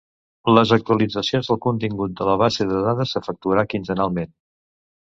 Les actualitzacions del contingut de la base de dades s'efectuarà quinzenalment.